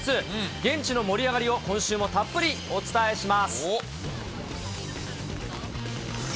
現地の盛り上がりを今週もたっぷりお伝えします。